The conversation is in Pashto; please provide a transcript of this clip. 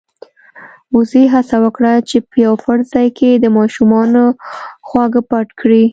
وزې هڅه وکړه چې په يو پټ ځای کې د ماشومانو خواږه پټ کړي.